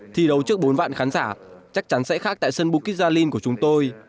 thì đấu trước bốn vạn khán giả chắc chắn sẽ khác tại sân bukit jalil của chúng tôi